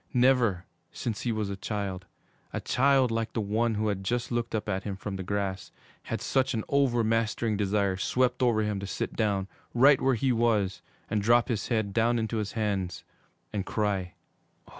Never, since he was a child, a child like the one who had just looked up at him from the grass, had such an over mastering desire swept over him to sit down, right where he was, and drop his head down into his hands and cry.